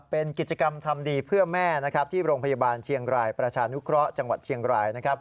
เป็นกิจกรรมทำดีเพื่อแม่ที่โรงพยาบาลเชียงรายประชานุเคราะห์จังหวัดเชียงราย